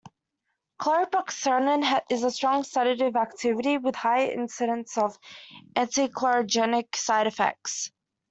Chlorprothixene has a strong sedative activity with a high incidence of anticholinergic side effects.